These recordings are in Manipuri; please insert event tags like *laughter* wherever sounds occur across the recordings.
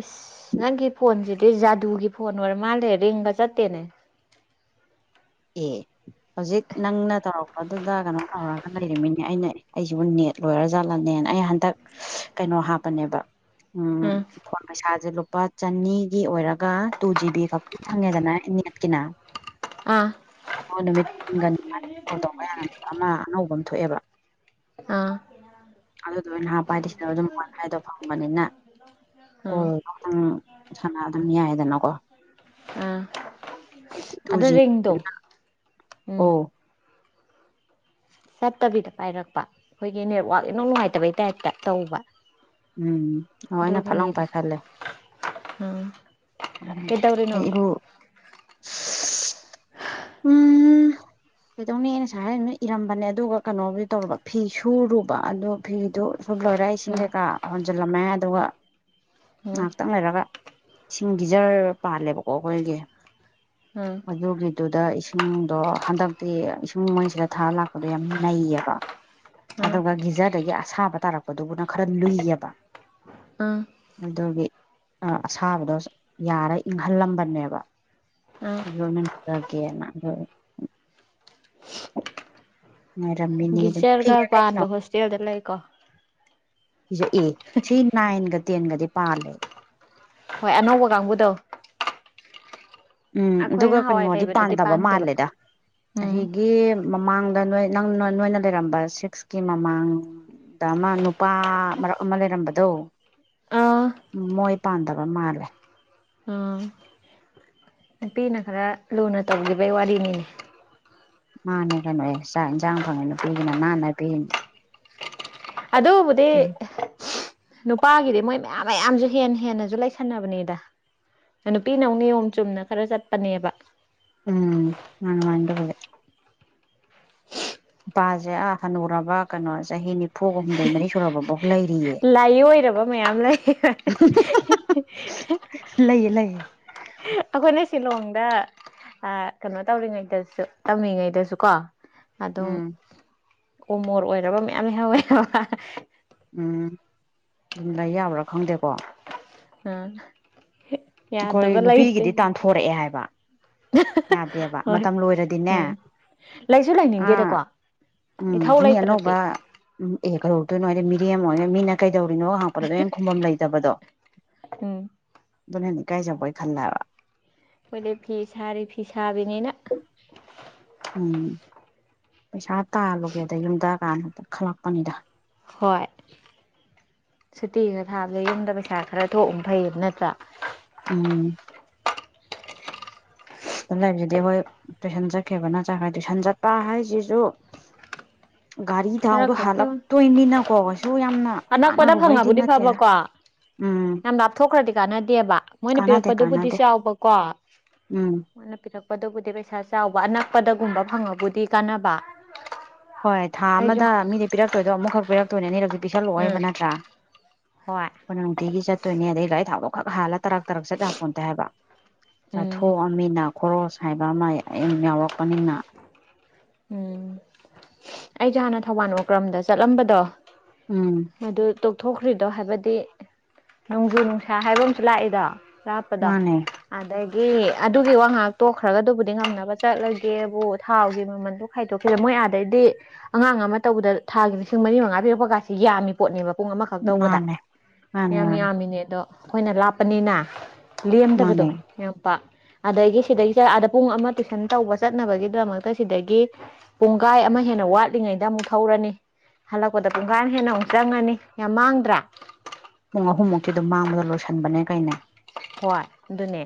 ꯏꯁ ꯅꯪꯒꯤ ꯐꯣꯟꯖꯤꯗꯤ ꯖꯥꯗꯨꯒꯤ ꯐꯣꯟ ꯑꯣꯏꯔ ꯃꯥꯜꯂꯦ ꯔꯤꯡꯒ ꯆꯠꯇꯦꯅꯦ꯫ ꯑꯦ ꯍꯧꯖꯤꯛ ꯅꯪꯅ ꯇꯧꯔꯛꯄꯗꯨꯗ ꯀꯩꯅꯣ ꯇꯧꯔꯒ ꯂꯩꯔꯝꯃꯤꯅꯦ ꯑꯩꯅ ꯑꯩꯁꯤꯕꯨ ꯅꯦꯠ ꯂꯣꯏꯔꯖꯥꯠꯂꯅꯦꯅ ꯑꯩ ꯍꯟꯗꯛ ꯀꯩꯅꯣ ꯍꯥꯞꯄꯅꯦꯕ ꯎꯝ ꯄꯩꯁꯥꯖꯦ ꯂꯨꯄꯥ ꯆꯅꯤꯒꯤ ꯑꯣꯏꯔꯒ ꯇꯨ ꯖꯤꯕꯤ ꯈꯛꯇꯪ ꯐꯪꯉꯦꯗꯅ ꯅꯦꯠꯀꯤꯅ ꯑꯥ ꯑꯗꯣ ꯅꯨꯃꯤꯠ ꯀꯨꯟꯒꯅꯤꯄꯥꯟ ꯀꯣꯜ ꯇꯧꯕ ꯌꯥꯅ ꯑꯃ ꯑꯅꯧꯕ ꯑꯃ ꯊꯣꯛꯑꯦꯕ ꯑꯥ ꯑꯗꯨꯗꯣ ꯑꯣꯏ ꯍꯥꯞꯄ ꯁꯤꯗ ꯑꯗꯨꯝ ꯀꯋꯥꯐ꯭ꯂꯥꯏꯗꯣ ꯐꯪꯕꯅꯤꯅ ꯑꯥ ꯀꯣꯜꯗꯣꯇꯪ ꯁꯥꯟꯅ ꯑꯗꯨꯝ ꯌꯥꯏꯗꯅꯀꯣ ꯑꯥ ꯑꯗꯨ ꯇꯨꯖꯦ ꯔꯤꯡꯗꯣ ꯎꯝ ꯑꯣ ꯆꯠꯇꯕꯤꯗ ꯄꯥꯏꯔꯛꯄ ꯑꯩꯈꯣꯏꯒꯤ ꯅꯦꯠꯋꯥꯛ ꯏꯅꯨꯡ ꯅꯨꯡꯉꯥꯏꯇꯕꯩ ꯇꯥꯏꯞꯇ ꯇꯧꯕ ꯎꯝ ꯑꯃꯥꯏꯅ ꯐꯠ ꯂꯥꯎ ꯑꯗꯨꯒꯤꯅꯤꯗ ꯄꯥꯏꯈꯠꯂꯦ ꯎꯝ ꯀꯩꯗꯧꯔꯤꯅꯣ ꯑꯩ ꯏꯔꯨ ꯎꯝ ꯀꯩꯗꯧꯅꯤ ꯑꯩꯅ ꯉꯁꯥꯏ ꯏꯔꯝꯕꯅꯦ ꯑꯗꯨꯒ ꯀꯩꯅꯣꯕꯨꯗꯤ ꯇꯧꯔꯝꯕ ꯐꯤ ꯁꯨꯔꯨꯕ ꯑꯗꯣ ꯐꯤꯗꯣ ꯁꯨ ꯂꯣꯏꯔꯦ ꯏꯁꯤꯡ ꯎꯝ ꯀꯩꯀꯥ ꯍꯣꯟꯖꯜꯂꯝꯃꯦ ꯑꯗꯨꯒ *inaudible* *inaudible* ꯎꯝ ꯉꯥꯏꯍꯥꯛꯇꯪ ꯂꯩꯔꯒ ꯏꯁꯤꯡꯗꯤꯖꯔ ꯄꯥꯜꯂꯦꯕꯀꯣ ꯑꯩꯈꯣꯏꯒꯤ ꯎꯝ ꯃꯗꯨꯒꯤ ꯑꯗꯨꯗ ꯏꯁꯤꯡꯗꯣ ꯍꯟꯗꯛꯇꯤ ꯏꯁꯤꯡ ꯃꯣꯏꯁꯤꯗ ꯊꯥꯔ ꯂꯥꯛꯄꯗꯣ ꯌꯥꯝ ꯅꯩꯌꯦꯕ ꯎꯝ ꯑꯗꯨꯒ ꯒꯤꯖꯔꯗꯒꯤ ꯑꯁꯥꯕ ꯇꯥꯔꯛꯄꯗꯨꯕꯨꯅ ꯈꯔ ꯂꯨꯏꯑꯦꯕ ꯎꯝ ꯃꯗꯨꯒꯤ ꯑꯁꯥꯕꯗꯣ ꯌꯥꯔ ꯏꯪꯍꯜꯂꯝꯕꯅꯦꯕ ꯎꯝ ꯑꯗꯨ ꯏꯔꯨꯖꯒꯦꯅ ꯉꯥꯏꯔꯝꯃꯤ ꯒꯤꯖꯔꯒ ꯄꯥꯟꯕ ꯍꯣꯁꯇꯦꯜꯗ ꯂꯩꯀꯣ ꯒꯤꯖꯔ ꯑꯦ ꯁꯤ ꯅꯥꯏꯟꯒ ꯇꯦꯟꯒꯗꯤ ꯄꯥꯜꯂꯦ ꯍꯣꯏ ꯑꯅꯧꯕ ꯀꯥꯡꯕꯨꯗꯣ ꯎꯝ ꯑꯩꯈꯣꯏ ꯑꯗꯨꯒ ꯉꯍꯥꯟꯋꯥꯏ ꯀꯩꯅꯣꯗꯤ ꯂꯩꯕꯗꯨꯗꯤ ꯄꯥꯟꯗꯕ ꯄꯥꯟꯗꯦꯕ ꯃꯥꯜꯂꯦꯗ ꯎꯝ ꯑꯁꯤꯒꯤ ꯃꯃꯥꯡꯗ ꯅꯣꯏ ꯅꯪꯅ ꯅꯣꯏꯅ ꯂꯩꯔꯝꯕ ꯁꯤꯛꯁꯀꯤ ꯃꯃꯥꯡ ꯑꯃ ꯅꯨꯄꯥ ꯃꯔꯛ ꯑꯃ ꯂꯩꯔꯝꯕꯗꯣ ꯑꯥ ꯎꯝ ꯃꯣꯏ ꯄꯥꯟꯗꯕ ꯃꯥꯜꯂꯦ ꯑꯥ ꯅꯨꯄꯤꯅ ꯈꯔ ꯂꯨꯅ ꯇꯧꯈꯤꯕꯩ ꯋꯥꯔꯤꯅꯤꯅꯦ ꯃꯥꯅꯦ ꯀꯩꯅꯣꯌꯦ ꯆꯥꯛ ꯏꯟꯁꯥꯡ ꯐꯪꯉꯦ ꯅꯨꯄꯤꯒꯤꯅ ꯅꯥꯟꯅ ꯄꯤꯔꯤꯅꯤ ꯑꯗꯨꯕꯨꯗꯤ ꯎꯝ ꯅꯨꯄꯥꯒꯤꯗꯤ ꯃꯣꯏ ꯃꯌꯥꯝ ꯃꯌꯥꯝꯁꯨ ꯍꯦꯟꯅ ꯍꯦꯟꯅꯁꯨ ꯂꯩꯁꯟꯅꯕꯅꯤꯗ ꯅꯨꯄꯤꯅ ꯃꯨꯛ ꯅꯤꯌꯣꯝ ꯆꯨꯝꯅ ꯈꯔ ꯆꯠꯄꯅꯦꯕ ꯎꯝ ꯃꯥꯟꯅꯦ ꯃꯥꯟꯅꯦ ꯄꯥꯁꯦ ꯑꯥ ꯍꯅꯨꯔꯕ ꯀꯩꯅꯣ ꯆꯍꯤ ꯅꯤ ꯐꯨꯒ ꯍꯨꯝꯗꯣꯏ ꯃꯔꯤ ꯁꯨꯔꯕꯐꯥꯎ ꯂꯩꯔꯤꯌꯦ ꯂꯥꯏꯑꯣꯏꯔꯕ ꯃꯌꯥꯝ ꯂꯩ ꯂꯩꯌꯦ ꯂꯩꯌꯦ ꯑꯩꯈꯣꯏꯅ ꯁꯤꯂꯣꯡꯗ ꯑ ꯀꯩꯅꯣ ꯇꯧꯔꯤꯉꯩꯗꯁꯨ ꯇꯝꯃꯤꯉꯩꯗꯁꯨ ꯀꯣ ꯑꯗꯨꯝ ꯎꯝ ꯑꯣꯃꯣꯔ ꯑꯣꯏꯔꯕ ꯃꯌꯥꯝ ꯂꯩꯍꯧꯋꯦꯕ ꯎꯝ ꯑꯗꯨꯨꯝ ꯂꯩ ꯌꯥꯕ꯭ꯔꯥ ꯈꯪꯗꯦꯀꯣ ꯎꯝ ꯑꯩꯈꯣꯏ ꯌꯥꯗꯕ ꯂꯩꯇꯦ ꯅꯨꯄꯤꯒꯤꯗꯤ ꯇꯥꯟꯊꯣꯔꯛꯑꯦ ꯍꯥꯏꯕ ꯌꯥꯗꯦꯕ ꯍꯣꯏ ꯃꯇꯝ ꯂꯣꯏꯔꯗꯤꯅꯦ ꯎꯝ ꯂꯩꯁꯨ ꯑꯥ ꯂꯩꯅꯤꯡꯗꯦꯗꯀꯣ ꯎꯝ ꯏꯊꯧ ꯃꯤ ꯂꯩꯇ꯭ꯔꯗꯤ ꯑꯅꯧꯕ ꯎꯝ ꯑꯦ ꯀꯔꯧꯛꯇꯣꯏꯅꯣ ꯍꯥꯏꯗꯤ ꯃꯤꯔꯦꯝ ꯑꯣꯏꯅ ꯃꯤꯅ ꯀꯩꯗꯧꯔꯤꯅꯣ ꯍꯥꯡꯉꯛꯄꯗ ꯑꯗꯨ ꯑ ꯈꯕꯝ ꯂꯩꯇꯕꯗꯣ ꯎꯝ ꯑꯗꯨꯅ ꯍꯦꯟ ꯏꯀꯥꯏꯖꯕꯣꯏ ꯈꯜꯂꯦꯕ ꯑꯩꯈꯣꯏꯗꯤ ꯐꯤꯁꯥꯔꯤ ꯐꯤꯁꯥꯕꯤꯅꯤꯅ *unintelligible* ꯄꯩꯁꯥ ꯇꯥꯜꯂꯨꯒꯦꯗ ꯌꯨꯝꯗ ꯀꯥꯟꯗ ꯈꯜꯂꯛꯄꯅꯤꯗ ꯍꯣꯏ ꯁꯨꯇꯤꯒ ꯊꯥꯕꯗ ꯌꯨꯝꯗ ꯄꯩꯁꯥ ꯈꯔ ꯊꯣꯛꯎꯕꯅ ꯐꯩꯌꯦꯕ ꯅꯠꯇ꯭ꯔꯥ ꯎꯝ ꯁꯤꯗꯂꯩꯕꯁꯤ ꯑꯩꯈꯣꯏ ꯇꯨꯏꯁꯟ ꯆꯠꯈꯤꯕꯅ ꯆꯠꯈ꯭ꯔꯦ ꯇꯨꯏꯁꯟ ꯆꯠꯄ ꯍꯥꯏꯁꯤꯁꯨ ꯒꯥꯔꯤ ꯈꯔ ꯊꯥꯎꯗꯣ ꯈꯛꯀꯤ ꯍꯜꯂꯛꯇꯣꯏꯅꯤꯅꯀꯣ ꯀꯩꯁꯨ ꯌꯥꯝꯅ ꯑꯅꯛꯄꯗ ꯀꯥꯟꯅꯔꯨꯕꯩꯗꯤ ꯐꯪꯉꯕꯨꯗꯤ ꯅꯠꯇꯦꯗ ꯎꯝ ꯊꯣꯛꯈ꯭ꯔꯗꯤ ꯀꯥꯟꯅꯗꯦꯕ ꯃꯣꯏꯅ ꯀꯥꯟꯅꯗꯦ ꯄꯤꯔꯛꯄꯗꯨꯕꯨꯗꯤ ꯀꯥꯟꯅꯗꯦ ꯌꯥꯎꯕꯀꯣ ꯎꯝ ꯃꫭꯏꯅ ꯄꯤꯔꯛꯄꯗꯕꯨꯗꯤ ꯄꯩꯁꯥ ꯆꯥꯎꯕ ꯑꯅꯛꯄꯗꯒꯨꯝꯕ ꯐꯪꯉꯕꯨꯗꯤ ꯀꯥꯟꯅꯕ ꯍꯣꯏ ꯊꯥ ꯑꯩꯁꯨ ꯑꯃꯗ ꯃꯤꯗꯤ ꯄꯤꯔꯛꯇꯣꯏꯗꯣ ꯑꯃꯨꯛꯈꯛ ꯄꯤꯔꯛꯇꯣꯏꯅꯦ ꯑꯅꯤꯔꯛꯇꯤ ꯎꯝ ꯄꯤꯁꯜꯂꯛꯑꯣꯕ ꯅꯠꯇ꯭ꯔꯥ ꯍꯣꯏ ꯅꯨꯡꯇꯤꯒꯤ ꯆꯠꯇꯣꯏꯅꯦ ꯑꯗꯩ ꯒꯥꯔꯤ ꯊꯥꯎꯗꯣ ꯈꯛ ꯍꯥꯜꯂ ꯇꯔꯛ ꯇꯔꯛ ꯆꯠꯂ ꯍꯥꯞꯄꯣꯇ ꯍꯥꯏꯕ ꯎꯝ ꯆꯥꯊꯣꯛꯑ ꯃꯤꯅ ꯈꯣꯔꯣꯁ ꯍꯥꯏꯕ ꯑꯃ ꯌꯥꯎꯔꯛꯄꯅꯤꯅ ꯎꯝ ꯑꯩꯁꯦ ꯍꯥꯟꯅ ꯊꯧꯕꯥꯜ ꯑꯣꯀ꯭ꯔꯝꯗ ꯆꯠꯂꯝꯕꯗꯣ ꯎꯝ ꯃꯗꯨ ꯇꯣꯛꯊꯣꯛꯈ꯭ꯔꯤꯗꯣ ꯍꯥꯏꯕꯗꯤ ꯅꯣꯡꯖꯨ ꯅꯨꯡꯁꯥ ꯍꯥꯏꯕ ꯑꯃꯁꯨ ꯂꯥꯛꯏꯗꯣ ꯄꯨꯔ ꯗꯣ ꯃꯥꯅꯦ ꯑꯗꯒꯤ ꯑꯗꯨꯒꯤ ꯋꯥ ꯉꯍꯥꯛ ꯇꯣꯛꯈ꯭ꯔꯒꯗꯨꯕꯨꯗꯤ ꯉꯝꯅꯕ ꯆꯠꯂ ꯀꯦꯕꯨ ꯊꯥꯎꯒꯤ ꯃꯃꯜꯗꯣ ꯈꯥꯏꯗꯣꯛꯈꯤꯕꯗ ꯃꯣꯏ ꯑꯥꯗꯗꯤ ꯑꯉꯥꯡ ꯑꯃ ꯇꯧꯕꯗ ꯊꯥꯒꯤ ꯂꯤꯁꯤꯡ ꯃꯔꯤ ꯃꯉꯥ ꯄꯤꯔꯛꯄ ꯀꯁꯦ ꯌꯥꯝꯃꯤ ꯄꯣꯠꯅꯦꯕ ꯄꯨꯡ ꯑꯃꯈꯛ ꯇꯧꯕꯗ ꯃꯥꯅꯦ ꯃꯥꯅꯦ ꯌꯥꯝ ꯃꯥꯅꯦ ꯌꯥꯝꯃꯤꯅꯦ ꯑꯗꯣ ꯑꯩꯈꯣꯏꯅ ꯂꯥꯞꯄꯅꯤꯅ ꯂꯦꯝꯗꯕꯗꯣ ꯃꯥꯅꯦ ꯌꯥꯝ ꯄꯥꯛ ꯑꯗꯒꯤ ꯁꯤꯗꯩꯗ ꯑꯥꯗ ꯄꯨꯡ ꯑꯃ ꯇꯨꯋꯏꯁꯟ ꯇꯧꯕꯁ ꯆꯠꯅꯕꯒꯤꯗꯃꯛꯇ ꯁꯤꯗꯒꯤ ꯄꯨꯡꯈꯥꯏ ꯑꯃ ꯍꯦꯟꯅ ꯋꯥꯠꯂꯤꯉꯩꯗ ꯑꯃꯨꯛ ꯊꯧꯔꯅꯤ ꯍꯜꯂꯛꯄꯗ ꯄꯨꯡꯈꯥ ꯑꯃ ꯍꯦꯟꯅ ꯑꯃꯨꯛ ꯆꯪꯉꯅꯤ ꯌꯥꯝ ꯃꯥꯡꯗ꯭ꯔꯥ ꯄꯨꯡ ꯑꯍꯨꯝꯃꯨꯛꯇꯤ ꯑꯗꯨꯝ ꯃꯥꯡꯕꯗ ꯂꯣꯏꯁꯤꯟꯕꯅꯦ ꯀꯩꯅꯦ ꯍꯣꯏ ꯑꯗꯨꯅꯦ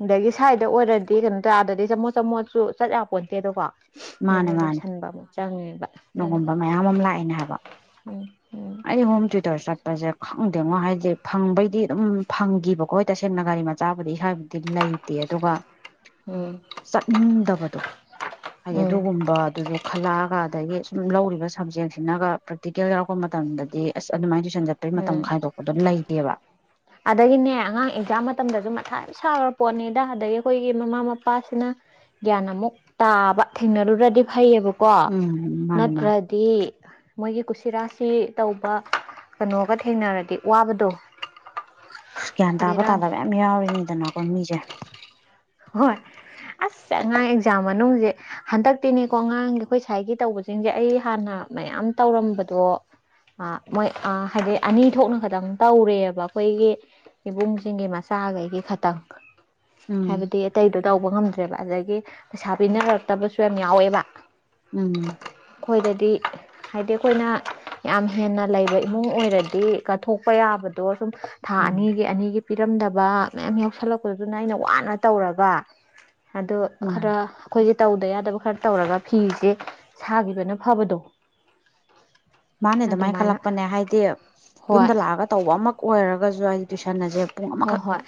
ꯑꯗꯒꯤ ꯁ꯭ꯋꯥꯗ ꯑꯣꯏꯔꯗꯤ ꯀꯩꯅꯣ ꯇꯧꯔꯗꯗꯤ ꯆꯃꯣꯠ ꯆꯃꯣꯠꯁꯨ ꯆꯠ ꯌꯥꯄꯣꯟꯠꯇꯦꯗꯀꯣ ꯃꯥꯅꯦ ꯃꯥꯅꯦ ꯑꯗꯨꯅ ꯅꯣꯡꯉꯕ ꯃꯌꯥꯝ ꯑꯃ ꯂꯥꯛꯏꯅꯦ ꯍꯥꯏꯕ ꯎꯝ ꯎꯝ ꯑꯩ ꯍꯣꯝ ꯇꯨꯏꯇꯔ ꯆꯠ ꯄꯁꯦ ꯈꯪꯗꯦꯉꯣ ꯍꯥꯏꯗꯤ ꯐꯪꯕꯩꯗꯤ ꯑꯗꯨꯝ ꯐꯪꯈꯤꯕꯀꯣ ꯍꯣꯏ ꯇꯁꯦꯡꯅ ꯒꯥꯔꯤ ꯃꯆꯥꯕꯨꯗꯤ ꯏꯁꯥꯕꯨꯗꯤ ꯑꯗꯨꯝ ꯂꯩ ꯗꯦ ꯑꯗꯨꯒ ꯎꯝ ꯆꯠꯅꯤꯡꯗꯕꯗꯣ ꯍꯥꯏꯗꯤ ꯎꯝ ꯑꯗꯨꯒꯨꯝꯕꯗꯨꯁꯨ ꯈꯜꯂꯛꯑꯒ ꯑꯗꯒꯤ ꯁꯨꯝ ꯂꯧꯔꯤꯕ ꯁꯕꯖꯦꯛꯁꯤꯅꯒ ꯄ꯭ꯔꯦꯛꯇꯤꯀꯦꯜ ꯌꯥꯎꯔꯛꯄ ꯃꯇꯝꯗꯗꯤ ꯑꯁ ꯑꯗꯨꯃꯥꯏꯅ ꯇꯣꯏꯁꯟ ꯆꯠꯄꯩ ꯃꯇꯝ ꯎꯝ ꯈꯥꯏꯗꯣꯛꯄꯗꫭ ꯂꯩꯇꯦꯕ ꯑꯗꯒꯤꯅꯦ ꯑꯉꯥꯡ ꯑꯦꯛꯖꯥꯝ ꯃꯇꯝꯗꯁꯨ ꯃꯊꯥ ꯌꯥꯝ ꯁꯥꯥꯈꯔ ꯄꯣꯠꯅꯤꯗ ꯑꯗꯒꯤ ꯑꯩꯈꯣꯏꯒꯤ ꯃꯃꯥ ꯃꯄꯥꯁꯤꯅ ꯒ꯭ꯌꯥꯟ ꯑꯃꯨꯛ ꯇꯥꯕ ꯊꯦꯡꯅꯔꯨꯔꯗꯤ ꯐꯩꯌꯦꯕꯀꯣ ꯎꯝ ꯃꯥꯅꯤ ꯅꯠꯇ꯭ꯔ ꯃꯥꯅꯤ ꯗꯤ ꯃꯣꯏꯒꯤ ꯀꯨꯁꯤꯔꯥꯁꯤ ꯇꯧꯕ ꯀꯩꯅꯣꯒ ꯊꯦꯡꯅꯔꯗꯤ ꯋꯥꯕꯗꯣ ꯑꯁ ꯒ꯭ꯌꯥꯟ ꯇꯥꯕ ꯕꯦꯔꯥꯅꯤ ꯇꯥꯗꯕ ꯌꯥꯝ ꯌꯥꯎꯔꯤꯅꯤꯗꯅꯀꫭ ꯃꯤꯁꯦ ꯍꯣꯏ ꯑꯁ ꯑꯉꯥꯡ ꯑꯦꯛꯖꯥꯝ ꯃꯅꯨꯡꯁꯦ ꯍꯟꯗꯛꯇꯤꯅꯦꯀꯣ ꯑꯉꯥꯡ ꯑꯩꯈꯣꯏ ꯁꯥꯏꯒꯤ ꯇꯧꯕꯁꯤꯡꯁꯦ ꯑꯩ ꯍꯥꯟꯅ ꯃꯌꯥꯝ ꯇꯧꯔꯝꯕꯗꯣ ꯑꯥ ꯃꯣꯏ ꯑꯥ ꯍꯥꯏꯗꯤ ꯑꯅꯤ ꯊꯣꯛꯅ ꯈꯇꯪ ꯇꯧꯔꯦꯕ ꯑꯩꯈꯣꯏꯒꯤ ꯏꯕꯨꯡꯁꯤꯡꯒꯤ ꯃꯆꯥꯈꯩꯒꯤ ꯈꯇꯪ ꯎꯝ ꯍꯥꯏꯕꯗꯤ ꯑꯇꯩꯗꯣ ꯇꯧꯕ ꯉꯝꯗ꯭ꯔꯦꯕ ꯑꯗꯒꯤ ꯄꯩꯁꯥ ꯄꯤꯅꯔꯛꯇꯕꯁꯨ ꯌꯥꯝ ꯌꯥꯎꯋꯦꯕ ꯎꯝ ꯑꯩꯈꯣꯏꯗꯗꯤ ꯍꯥꯏꯗꯤ ꯑꯩꯈꯣꯏꯅ ꯌꯥꯝ ꯍꯦꯟꯅ ꯂꯩꯕ ꯏꯃꯨꯡ ꯑꯣꯏꯔꯗꯤ ꯀꯠꯊꯣꯛꯄ ꯌꯥꯕꯗꯣ ꯑꯗ ꯁꯨꯝ ꯊꯥ ꯎꯝ ꯑꯅꯤꯒꯤ ꯑꯅꯤꯒꯤ ꯄꯤꯔꯝꯗꯕ ꯃꯌꯥꯝ ꯌꯥꯎꯁꯜꯂꯛꯄꯗꯨꯅ ꯑꯩꯅ ꯋꯥꯅ ꯇꯧꯔꯒ ꯑꯗꯨ ꯃꯥꯅꯦ ꯈꯔ ꯑꯩꯈꯣꯏꯒꯤ ꯇꯧꯗ ꯌꯥꯗꯕ ꯈꯔ ꯇꯧꯔꯒ ꯐꯤꯁꯦ ꯁꯥꯈꯤꯕꯅ ꯐꯕꯗꯣ ꯃꯥꯅꯦ ꯑꯗꯨꯃꯥꯏꯅ ꯈꯜꯂꯛꯄꯅꯦ ꯍꯥꯏꯗꯤ ꯍꯣꯏ ꯌꯨꯝꯗ ꯂꯥꯛꯑꯒ ꯇꯧꯕ ꯑꯃ ꯑꯣꯏꯔꯒꯁꯨ ꯑꯩ ꯇꯨꯏꯁꯟ ꯑꯁꯦ ꯄꯨꯡ ꯍꯣꯏ ꯑꯃꯈꯛ ꯍꯣꯏ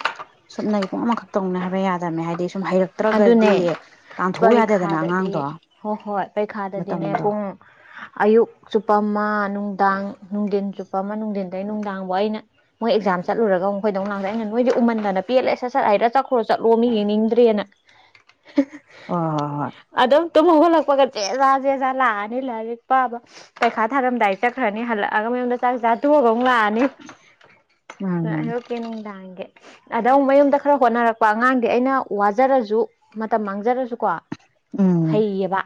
ꯁꯨꯞꯅꯒꯤ ꯄꯨꯡ ꯑꯃꯈꯛ ꯇꯧꯅꯤ ꯍꯥꯏꯕ ꯌꯥꯗꯕꯃꯦ ꯍꯥꯏꯗꯤ ꯁꯨꯝ ꯍꯩꯔꯛ ꯑꯗꯨꯅꯦ ꯄꯔꯤꯈꯥꯗꯗꯤ ꯑꯉꯥꯡꯗꯣ ꯍꯣꯏ ꯍꯣꯏ ꯄꯔꯤꯈꯥꯗꯗꯤꯅꯦ ꯃꯇꯝꯗꯣ ꯄꯨꯡ ꯑꯌꯨꯛ ꯆꯨꯞꯄ ꯑꯃ ꯅꯨꯡꯗꯥꯡ ꯅꯨꯡꯊꯤꯟ ꯆꯨꯞꯄ ꯑꯃ ꯅꯨꯡꯊꯤꯟꯗꯒꯤ ꯅꯨꯡꯗꯥꯡꯐꯥꯎ ꯑꯩꯅ ꯃꯣꯏ ꯑꯦꯛꯖꯥꯝ ꯆꯠꯨꯔꯒ ꯃꯈꯣꯏꯗꯧꯛ ꯂꯥꯡꯁ ꯑꯩꯅ ꯅꯣꯏꯗꯤ ꯎꯃꯟꯗ ꯄꯦꯜꯂꯦꯁ ꯁꯠ ꯍꯥꯏꯔ ꯆꯠꯈ꯭ꯔꯣ ꯆꯠꯂꯣ ꯃꯤ ꯌꯦꯡꯅꯤꯡꯗ꯭ꯔꯦꯅ *inaudible* ꯑꯣ ꯍ ꯍ ꯑꯗꯨꯝ ꯇꯨꯝ ꯍꯧꯒꯠꯂꯛꯄꯒ ꯆꯦꯖꯥ ꯆꯦꯖꯥ ꯂꯥꯛꯑꯅꯤ ꯂꯥꯏꯔꯤꯛ ꯄꯥꯕ ꯄꯩꯈꯥ ꯊꯥꯔꯝꯗꯥꯏ ꯆꯠ꯭ꯈꯔꯅꯤ ꯍꯜꯂꯛꯑꯒ ꯃꯌꯨꯝꯗ ꯆꯥꯛ ꯆꯥꯊꯣꯛꯑꯒ ꯑꯃꯨꯛ ꯍꯣꯏ ꯍꯣꯏ ꯂꯥꯛꯑꯅꯤ *unintelligible* ꯅꯨꯡꯗꯥꯡꯒꯤ ꯑꯗ ꯃꯌꯨꯝꯗ ꯈꯔ ꯍꯣꯠꯅꯔꯛꯄ ꯑꯉꯥꯡꯗꯤ ꯑꯩꯅ ꯋꯥ ꯖꯔꯁꯨ ꯃꯇꯝ ꯃꯥꯡꯖꯔꯁꯨꯀꯣ ꯎꯝ ꯎꯝ ꯐꯩꯌꯦꯕ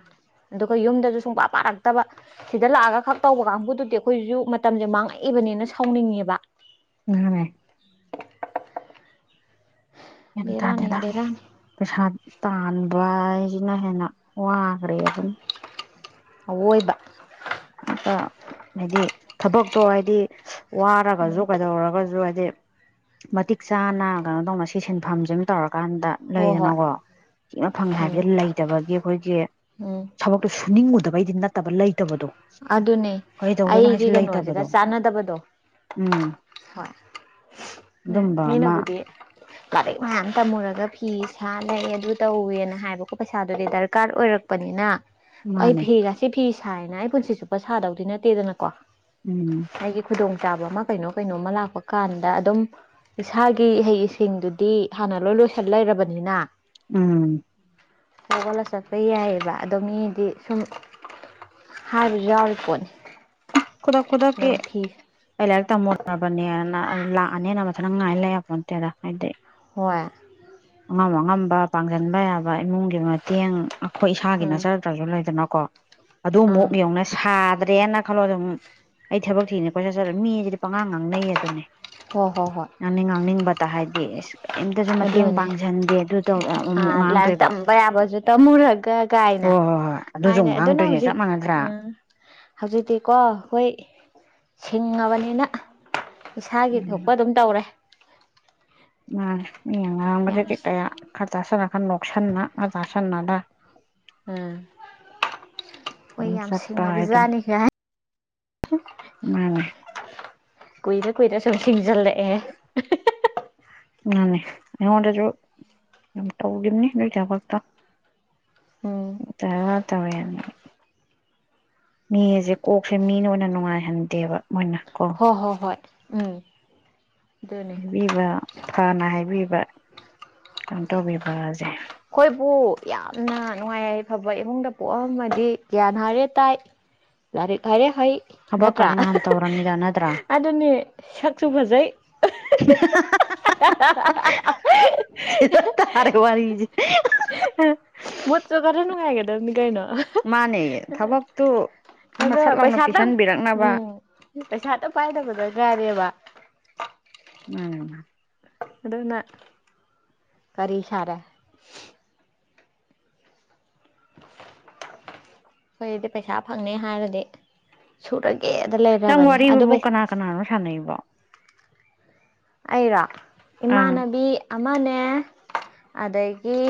ꯑꯗꯨꯒ ꯌꯨꯝꯗꯁꯨ ꯁꯨꯡꯄꯥ ꯄꯥꯔꯛꯇꯕ ꯁꯤꯗ ꯂꯥꯛꯑꯒ ꯈꯛ ꯇꯧꯕ ꯀꯥꯡꯕꯨꯗꯨꯗꯤ ꯑꯩꯈꯣꯏꯁꯨ ꯃꯇꯝꯁꯦ ꯃꯥꯡꯉꯛꯏꯕꯅꯤꯅ ꯁꯥꯎꯅꯤꯡꯉꯦꯕ ꯉꯥꯡꯉꯦ ꯕꯦꯔꯥꯅꯤ ꯃꯦꯟꯇꯥꯗꯦꯗ ꯕꯦꯔꯥꯅꯤ ꯄꯩꯁꯥ ꯇꯥꯟꯕ ꯍꯥꯏꯁꯤꯅ ꯍꯦꯟꯅ ꯋꯥꯈ꯭ꯔꯦ ꯑꯗꯨꯝ ꯑꯋꯣꯏꯕ ꯑꯝꯇ ꯍꯥꯏꯗꯤ ꯊꯕꯛꯇꯣ ꯍꯥꯏꯗꯤ ꯋꯥꯔꯒꯁꯨ ꯎꯝ ꯀꯩꯗꯧꯔꯒꯁꯨ ꯍꯥꯏꯗꯤ ꯃꯇꯤꯛ ꯆꯥꯅ ꯀꯩꯅꯣ ꯇꯧꯅ ꯁꯤ ꯁꯤꯟꯐꯝꯁꯤꯃ ꯇꯧꯔꯀꯥꯟꯗ ꯍꯣꯏ ꯍꯣꯏ ꯂꯩꯗꯅꯀꯣ ꯁꯤꯃꯥ ꯐꯪꯉꯦ ꯎꯝ ꯍꯥꯏꯕꯁꯤ ꯂꯩꯇꯕꯒꯤ ꯑꯩꯈꯣꯏꯒꯤ ꯎꯝ ꯊꯕꯛ ꯁꯨꯅꯤꯡꯉꯨꯗꯕꯩꯗꯤ ꯅꯠꯇꯕ ꯂꯩꯇꯕꯗꯣ ꯑꯗꯨꯅꯦ ꯀꯩꯗꯧꯗꯣꯏꯅꯣ ꯑꯩꯒꯤ ꯍꯥꯏꯁꯤ ꯀꯩꯅꯣꯁꯤꯒ ꯂꯩꯇꯕꯗꯣ ꯆꯥꯟꯅꯗꯕꯗꯣ ꯎꯝ ꯍꯣꯏ ꯑꯗꯨꯝꯕ ꯑꯃ ꯃꯤꯅꯥꯕꯨꯗꯤ ꯂꯥꯏꯔꯤꯛ ꯃꯌꯥꯝ ꯇꯝꯃꯨꯔꯒ ꯐꯤ ꯁꯥ ꯂꯩꯔꯦ ꯑꯗꯨ ꯇꯧꯋꯦꯅ ꯍꯥꯏꯕꯀꯣ ꯄꯩꯁꯥꯗꯨꯗꯤ ꯗꯔꯀꯥꯔ ꯑꯣꯏꯔꯛ ꯄꯅꯤꯅ ꯑꯩ ꯃꯥꯅꯦ ꯐꯤꯒꯁꯤ ꯁꯤ ꯐꯤ ꯁꯥꯏꯅ ꯑꯩ ꯄꯨꯟꯁꯤ ꯆꯨꯞꯄ ꯁꯥꯗꯧꯗꯤ ꯅꯠꯇꯦꯗꯅꯀꯣ ꯎꯝ ꯑꯩꯒꯤ ꯈꯨꯗꯣꯡꯆꯥꯥꯕ ꯑꯃ ꯀꯩꯅꯣ ꯀꯩꯅꯣꯃ ꯂꯥꯛꯄ ꯀꯥꯟꯗ ꯑꯗꯨꯝ ꯏꯁꯥꯒꯤ ꯏꯍꯩ ꯏꯁꯤꯡꯗꯨꯗꯤ ꯍꯥꯟꯅ ꯂꯣꯏ ꯂꯣꯏꯁꯤꯜ ꯂꯩꯔꯕꯅꯤꯅ ꯎꯝ ꯍꯧꯒꯠꯂꯥ ꯆꯠꯄ ꯌꯥꯏꯑꯦꯕ ꯑꯗꯣ ꯃꯤꯗꯤ ꯁꯨꯝ ꯍꯥꯏꯕꯁꯨ ꯌꯥꯎꯔꯤ ꯄꯣꯠꯅꯤ ꯈꯨꯗꯛ ꯈꯨꯗꯛꯀꯤ ꯑꯗꯨꯝ ꯐꯤ ꯑꯩ ꯂꯥꯏꯔꯤꯛ ꯇꯝꯃꯨꯔꯕꯅꯦꯅ ꯂꯥꯛꯑꯅꯦꯅ ꯉꯥꯏꯂꯩ ꯌꯥꯄꯣꯟꯇꯦꯗ ꯍꯥꯏꯗꯤ ꯍꯣꯏ ꯑꯉꯝ ꯑꯉꯝꯕ ꯄꯥꯡꯁꯤꯟꯕ ꯌꯥꯕ ꯏꯃꯨꯡꯒꯤ ꯃꯇꯦꯡ ꯑꯩꯈꯣꯏ ꯏꯁꯥꯒꯤ ꯑꯥ ꯅꯠꯆꯥ ꯭ꯔꯁꯨ ꯂꯩꯗꯅꯀꯣ ꯑꯥ ꯑꯗꯨꯃꯨꯛ ꯌꯦꯡꯉꯨꯅꯦ ꯁꯥꯗ꯭ꯔꯦꯅ ꯈꯜꯂꯣ ꯑꯗꯨꯃꯨꯛ ꯑꯩ ꯊꯕꯛ ꯊꯤꯅꯤ ꯀꯣꯏ ꯆꯠꯆꯠꯂꯥ ꯃꯤꯁꯤꯗꯤ ꯄꯉꯥꯡ ꯉꯥꯡꯅꯩ ꯑꯗꯨꯅꯦ ꯍꯣ ꯍꯣ ꯍꯣꯏ ꯉꯥꯡꯅꯤꯡ ꯉꯥꯡꯅꯤꯡꯕꯇ ꯍꯥꯏꯗꯤ ꯑꯁ ꯀꯩꯝꯇꯁꯨ ꯃꯇꯦꯡ ꯄꯥꯡꯁꯤꯟꯗꯦ ꯑꯗꯨ ꯇꯧ ꯑ ꯑꯃꯨꯛ ꯂꯥꯏꯔꯤꯛ ꯉꯥꯡꯗꯣꯏꯕ ꯇꯝꯕ ꯌꯥꯕꯁꯨ ꯇꯝꯃꯨꯔꯒ ꯒꯥꯏꯅ ꯍꯣꯏ ꯍꯣꯏ ꯍꯣꯏ ꯑꯗꯨꯁꯨ ꯍꯥꯏꯅꯦ ꯑꯃꯨꯛ ꯑꯗꯨꯅ ꯉꯥꯡꯗꯣꯏꯅꯦ ꯆꯞ ꯍꯧꯖꯤꯛ ꯃꯥꯟꯅꯗ꯭ꯔꯥ ꯑ ꯍꯧꯖꯤꯛꯇꯤꯀꯣ ꯑꯩꯈꯣꯏ ꯁꯤꯡꯉꯕꯅꯤꯅ ꯏꯁꯥꯒꯤ ꯎꯝ ꯊꯣꯛꯄ ꯑꯗꯨꯝ ꯇꯧꯔꯦ ꯎꯝ ꯃꯤꯅ ꯌꯥꯝ ꯉꯥꯡꯕꯗꯨꯗꯤ ꯀꯌꯥ ꯈꯥ ꯇꯥꯁꯤꯟꯅ ꯈꯥ ꯅꯣꯛꯁꯟꯅ ꯈꯥ ꯇꯥꯁꯟꯅꯗ ꯎꯝ ꯈꯣꯏ ꯑꯗꯨꯝ ꯌꯥꯝ ꯆꯠꯄ ꯁꯤꯡꯉꯕ ꯍꯥꯏꯗꯨꯅꯤ ꯖꯥꯠꯅꯤ ꯒꯥꯏ ꯃꯥꯅꯤ ꯀꯨꯏꯔ ꯀꯨꯏꯔ ꯁꯨꯝ ꯁꯤꯡꯖꯜꯂꯛꯑꯦ *unintelligible* ꯃꯥꯅꯦ ꯑꯩꯉꯣꯟꯗꯁꯨ ꯌꯥꯝ ꯇꯧꯈꯤꯕꯅꯤ ꯅꯣꯏ *unintelligible* ꯎꯝ ꯇꯥꯔꯥ ꯇꯧꯋꯦ *unintelligible* ꯃꯤ ꯍꯥꯏꯁꯦ ꯀꯣꯛꯁꯦ ꯃꯤꯅ ꯑꯣꯏꯅ ꯅꯨꯡꯉꯥꯏꯍꯟꯗꯦꯕ ꯃꯣꯏꯅ ꯀꯣ ꯍꯣꯏ ꯍꯣꯏ ꯍꯣꯏ ꯎꯝ ꯎꯝ ꯕꯤꯕ ꯐꯅ ꯍꯥꯏꯕꯤꯕ ꯀꯩꯅꯣ ꯇꯧꯕꯤꯕꯁꯦ ꯑꯩꯈꯣꯏꯕꯨ ꯌꯥꯝꯅ ꯅꯨꯡꯉꯥꯏ ꯌꯥꯐꯕ ꯏꯃꯨꯡꯗ ꯄꯣꯛꯑꯝꯃꯗꯤ ꯒ꯭ꯌꯥꯟ ꯍꯥꯏꯥꯔꯦ ꯇꯥꯏ ꯂꯥꯏꯔꯤꯛ ꯍꯥꯏꯔꯂ ꯍꯩ ꯅꯠꯇ꯭ꯔꯥ ꯊꯕꯛꯀꯗꯤ ꯑ ꯉꯍꯥꯟ ꯍꯥ ꯇꯧꯔꯝꯅꯤꯗ ꯅꯠꯇ꯭ꯔꯥ ꯍꯥ ꯑꯗꯨꯅꯤ ꯁꯛꯁꯨ ꯐꯖꯩ *unintelligible* ꯍ ꯃꯣꯠꯁꯨ ꯈꯗ ꯅꯨꯡꯉꯥꯏꯒꯗꯕꯅꯤ ꯀꯩꯅꯣ ꯃꯥꯅꯦ ꯊꯕꯛꯇꯨ ꯑꯃ ꯑꯗꯣ ꯁꯠ ꯂꯥꯎꯅ ꯄꯩꯁꯥꯇꯪ ꯄꯤꯁꯤꯟꯕꯤꯔꯛꯅꯕ ꯎꯝ ꯄꯩꯁꯥꯇ ꯄꯥꯏꯗꯕ ꯗꯔꯀꯥꯔꯕ ꯎꯝ ꯑꯗꯨꯗꯅ ꯀꯔꯤ ꯁꯔꯦ ꯑꯩꯈꯣꯏꯗꯤ ꯄꯩꯁꯥ ꯐꯪꯅꯤ ꯍꯥꯏꯔꯗꯤ ꯁꯨꯔꯒꯦꯗ ꯂꯩꯔꯕꯅꯤ ꯑꯗꯨꯩ ꯅ ꯊꯥꯟꯕ ꯑꯩꯔꯣ ꯑꯥ ꯏꯃꯥꯟꯅꯕꯤ ꯑꯃꯅꯦ ꯑꯗꯒꯤ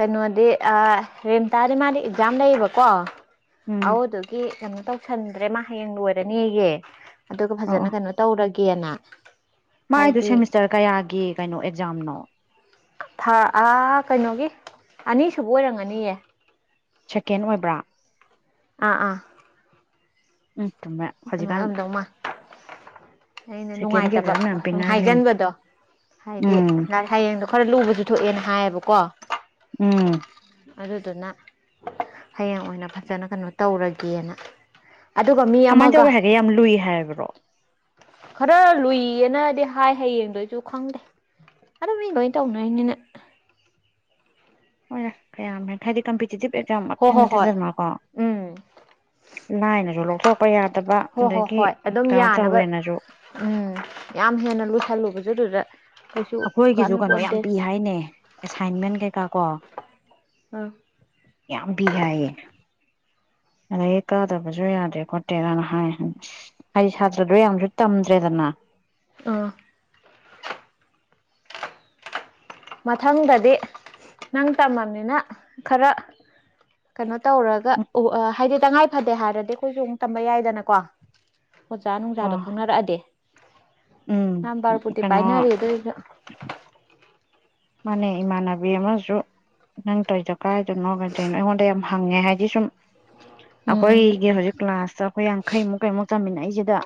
ꯀꯩꯅꯣꯗꯤ ꯔꯦꯟꯇꯥꯗꯤ ꯃꯥꯗꯤ ꯑꯦꯛꯖꯥꯝ ꯂꯩꯌꯦꯕꯀꯣ ꯑ ꯎꯝ ꯑꯗꯨꯒꯤ ꯀꯩꯅꯣ ꯇꯧꯁꯟꯗ꯭ꯔꯦ ꯃꯥ ꯍꯌꯦꯡ ꯂꯣꯏꯔꯅꯦꯌꯦ ꯑꯗꯨꯒ ꯑꯣ ꯐꯖꯅ ꯀꯩꯅꯣ ꯇꯧꯔꯒꯦꯅ ꯃꯥꯏꯗꯨ ꯍꯥꯏꯗꯤ ꯁꯦꯃꯤꯁꯇꯔ ꯀꯌꯥꯒꯤ ꯀꯩꯅꯣ ꯑꯦꯛꯖꯥꯝꯅꯣ ꯊꯥ ꯀꯩꯅꯣꯒꯤ ꯑꯅꯤꯁꯨꯕ ꯑꯣꯏꯔꯝꯒꯅꯤꯌꯦ ꯁꯦꯀꯦꯟ ꯑꯣꯏꯕ꯭ꯔꯥ ꯑꯥ ꯑꯥ ꯎꯠꯇꯃꯦ ꯑꯗꯨꯃꯥꯏꯅ ꯑꯃꯝꯗꯧ ꯃꯥ ꯑꯩꯅ ꯁꯦꯀꯦꯟꯒꯤ ꯅꯨꯡꯉꯥꯏꯇꯕ ꯑꯦꯛꯖꯥꯝ ꯃꯌꯥꯝ ꯁꯨꯝ ꯄꯤꯅꯔꯤꯝ ꯍꯥꯏꯖꯤꯟꯕꯗꯣ ꯍꯥꯏꯗꯤ ꯎꯝ ꯂ ꯍꯌꯦꯡꯗꯣ ꯈꯔ ꯂꯨꯕꯁꯨ ꯊꯣꯛꯑꯦꯅ ꯍꯥꯏꯌꯦꯕꯀꯣ ꯎꯝ ꯑꯗꯨꯗꯨꯅ ꯍꯌꯦꯡ ꯑꯣꯏꯅ ꯐꯖꯅ ꯀꯩꯅꯣ ꯇꯧꯔꯒꯦꯅ ꯑꯗꯨꯒ ꯃꯤ ꯀꯃꯥꯏꯅ ꯑꯃꯒ ꯇꯧꯋꯦ ꯍꯥꯏꯒꯦ ꯌꯥꯝ ꯂꯨꯏ ꯍꯥꯏꯕ꯭ꯔꯣ ꯈꯔ ꯂꯨꯏꯌꯦꯅꯗꯤ ꯍꯥꯏ ꯍꯌꯦꯡꯗꯣꯏꯁꯨ ꯈꯪꯗꯦ ꯑꯗꯨ ꯃꯤ ꯂꯣꯏꯅ ꯇꯧꯅꯔꯤꯅꯤꯅ ꯍꯣꯏ ꯌꯥ ꯀꯌꯥꯝꯃꯦ ꯍꯥꯏꯗꯤ ꯀꯝꯄꯤꯇꯤꯇꯤꯞ ꯍꯣ ꯑꯦꯛꯖꯥꯝꯇꯤ ꯍꯣ ꯍꯣꯏ ꯅꯠꯇꯦꯗꯅꯀꯣ ꯎꯝ ꯂꯥꯏꯅꯁꯨ ꯂꯧꯊꯣꯛꯄ ꯌꯥꯗꯕ ꯍꯣ ꯍꯣ ꯑꯗꯒꯤ ꯍꯣꯏ ꯑꯗꯨꯝ ꯀꯩꯅꯣ ꯌꯥꯅꯕ ꯇꯧꯋꯦꯅꯁꯨ ꯎꯝ ꯌꯥꯝ ꯍꯦꯟꯅ ꯂꯣꯏꯁꯜꯂꯨꯕꯖ ꯑꯗꯨꯗ ꯀꯩꯁꯨ ꯑꯩꯈꯣꯏꯒꯤꯁꯨ ꯀꯩꯅꯣ ꯌꯥꯝ ꯀꯥꯟꯅꯄꯣꯟꯇꯦ ꯄꯤ ꯍꯥꯏꯅꯦ ꯑꯦꯁꯥꯏꯟꯃꯦꯟ ꯀꯩꯀꯥ ꯀꯣ ꯑꯥ ꯌꯥꯝ ꯄꯤ ꯍꯥꯏꯌꯦ ꯑꯗꯒꯤ ꯀꯥꯗꯕꯁꯨ ꯌꯥꯗꯦ ꯈꯣꯠꯇꯦꯔꯅ ꯍꯥꯏ ꯍꯥꯏꯗꯤ ꯁꯥꯇ꯭ꯔꯗꯣ ꯌꯥꯝꯁꯨ ꯇꯝꯗ꯭ꯔꯦꯗꯅ ꯑꯥ ꯃꯊꯪꯗꯗꯤ ꯅꯪ ꯇꯝꯃꯅꯤꯅ ꯈꯔ ꯀꯩꯅꯣ ꯇꯧꯔꯒ ꯎ ꯍꯥꯏꯗꯤ ꯇꯉꯥꯏ ꯐꯗꯦ ꯍꯥꯏꯔꯗꯤ ꯑꯩꯈꯣꯏꯁꯨꯨꯛ ꯇꯝꯕ ꯌꯥꯏꯗꯅꯀꯣ ꯑꯣꯖꯥ ꯅꯨꯡꯖꯥꯗꯣ ꯑꯣ ꯈꯪꯅꯔꯛꯑꯗꯤ ꯎꯝ ꯅꯝꯕꯔꯄꯨꯔꯇꯤ ꯀꯩꯅꯣ ꯄꯥꯏꯅꯔꯦ ꯑꯗꯨꯗ ꯃꯥꯅꯦ ꯏꯃꯥꯟꯅꯕꯤ ꯑꯃꯁꯨ ꯅꯪ ꯇꯧꯔꯤꯗꯣ ꯀꯥꯏꯗꯅꯣ ꯀꯗꯔꯤꯅꯣ ꯑꯩꯉꯣꯟꯗ ꯌꯥꯝ ꯍꯪꯉꯦ ꯍꯥꯏꯗꯤ ꯁꯨꯝ ꯎꯝ ꯑꯩꯈꯣꯏꯒꯤ ꯍꯧꯖꯤꯛ ꯀ꯭ꯂꯥꯁꯇ ꯑꯩꯈꯣꯏ ꯌꯥꯡꯈꯩꯃꯨꯛ ꯀꯩꯃꯨꯛ ꯆꯥꯃꯤꯟꯅꯏꯁꯤꯗ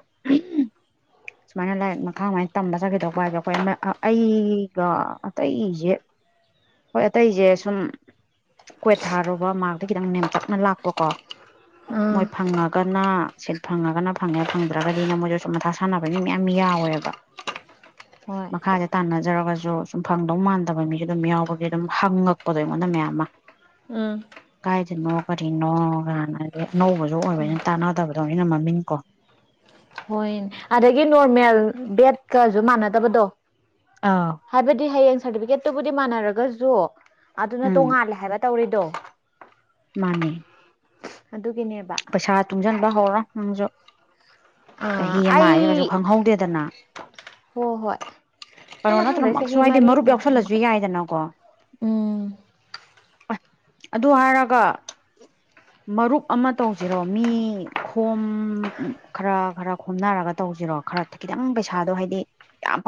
ꯁꯨꯃꯥꯏꯅ ꯂꯥꯏꯔꯤꯛ ꯃꯈꯥ ꯑꯗꯨꯃꯥꯏꯅ ꯇꯝꯕ ꯆꯠꯈꯤꯗꯧꯕ ꯍꯥꯏꯗꯣ ꯑꯩꯈꯣꯏ ꯑꯩꯒ ꯑꯇꯩꯁꯦ ꯍꯣꯏ ꯑꯇꯩꯁꯦ ꯁꯨꯝ ꯀꯣꯏꯠ ꯊꯥꯔꯨꯕ ꯃꯥꯛꯇ ꯈꯤꯇꯪ ꯅꯦꯝꯇꯛꯅ ꯂꯥꯛꯄꯀꯣ ꯃꯣꯏ ꯑꯥ ꯐꯪꯉꯒꯅ ꯁꯤꯠ ꯐꯪꯉꯒꯅ ꯐꯪꯉꯦ ꯐꯪꯗ꯭ꯔꯒꯗꯤꯅ ꯃꯣꯏꯗꯁꯨ ꯁꯨꯝ ꯃꯊꯥ ꯁꯥꯟꯅꯕꯅꯤ ꯃꯌꯥꯝ ꯌꯥꯎꯋꯦꯕ ꯑꯣ ꯃꯈꯥꯁꯦ ꯇꯥꯟꯅꯖꯔꯒꯁꯨ ꯁꯨꯝ ꯐꯪꯗꯧ ꯃꯥꯟꯗꯕ ꯃꯤꯁꯨ ꯑꯗꯨꯝ ꯌꯥꯎꯕꯒꯤ ꯑꯗꯨꯝ ꯍꯪꯉꯛꯄꯗꯣ ꯑꯩꯉꯣꯟꯗ ꯃꯌꯥꯝ ꯑꯃ ꯎꯝ ꯀꯥꯏꯗꯅꯣ ꯀꯔꯤꯅꯣ ꯍꯥꯟꯅꯗꯤ ꯑꯅꯧꯕꯁꯨ ꯑꯣꯏꯕꯅꯤꯅ ꯇꯥꯟꯅꯗꯕꯗꯣ ꯑꯩꯅ ꯃꯃꯤꯡ ꯀꯣ ꯍꯣꯏꯅꯦ ꯑꯗꯒꯤ ꯅꯣꯔꯃꯦꯜ ꯕꯦꯗꯀꯁꯨ ꯃꯥꯟꯅꯗꯕꯗꯣ ꯑꯥ ꯍꯥꯏꯕꯗꯤ ꯍꯌꯦꯡ ꯁꯥꯔꯇꯤꯐꯤꯀꯦꯠꯇꯨꯕꯨꯗꯤ ꯃꯥꯟꯅꯔꯒꯁꯨ ꯑꯗꯨꯅ ꯎꯝ ꯇꯣꯡꯉꯥꯜꯂꯦ ꯍꯥꯏꯕ ꯇꯧꯔꯤꯗꯣ ꯃꯥꯅꯦ ꯑꯗꯨꯒꯤꯅꯦꯕ ꯄꯩꯁꯥ ꯇꯨꯡꯁꯤꯟꯕ ꯍꯧꯔꯣ ꯅꯪꯁꯨ ꯑꯥ ꯆꯍꯤ ꯑꯃ ꯑꯩ ꯍꯥꯏꯁꯦ ꯀꯩꯁꯨ ꯈꯪꯍꯧꯗꯦꯗꯅ ꯍꯣꯏ ꯍꯣꯏ ꯑꯗꯨ ꯀꯩꯅꯣ ꯃꯊꯪꯗꯩ ꯅꯠꯇ꯭ꯔꯃꯛꯁꯨ ꯆꯍꯤ ꯍꯥꯏꯗꯤ ꯃꯔꯤ ꯃꯔꯨꯞ ꯌꯥꯎꯁꯜꯂꯁꯨ ꯌꯥꯏꯗꯅꯀꯣ ꯎꯝ ꯑꯁ ꯑꯗꯨ ꯍꯥꯏꯔꯒ ꯃꯔꯨꯞ ꯑꯃ ꯇꯧꯁꯤꯔꯣ ꯃꯤ ꯈꯣꯝ ꯈꯔ ꯈꯔ ꯈꯣꯝꯅꯔꯒ ꯇꯧꯁꯤꯔꯣ ꯈꯔ ꯈꯤꯇꯪ ꯄꯩꯁꯥꯗꯣ ꯍꯥꯏꯗꯤ ꯌꯥꯝ